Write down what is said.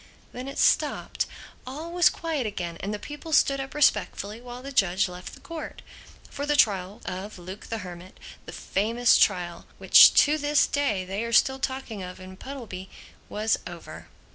Then it stopped. All was quiet again; and the people stood up respectfully while the judge left the Court. For the trial of Luke the Hermit, that famous trial which to this day they are still talking of in Puddleby, was over.